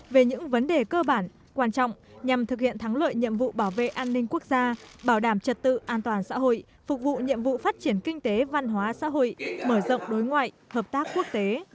về những vấn đề cơ bản quan trọng nhằm thực hiện thắng lợi nhiệm vụ bảo vệ an ninh quốc gia bảo đảm trật tự an toàn xã hội phục vụ nhiệm vụ phát triển kinh tế văn hóa xã hội mở rộng đối ngoại hợp tác quốc tế